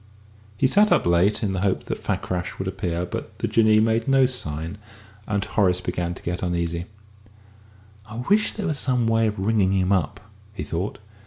He sat up late, in the hope that Fakrash would appear; but the Jinnee made no sign, and Horace began to get uneasy. "I wish there was some way of ringing him up," he thought.